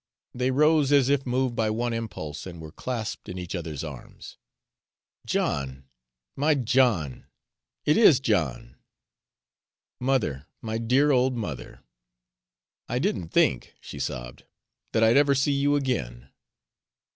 They rose as if moved by one impulse, and were clasped in each other's arms. "John, my John! It IS John!" "Mother my dear old mother!" "I didn't think," she sobbed, "that I'd ever see you again."